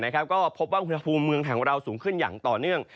ก็พบว่าอุณหภูมิเมืองไทยของเราสูงขึ้นอย่างต่อเนื่อง